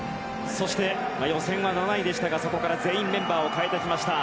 そして、予選は７位でしたがそこから全員メンバーを代えてきました。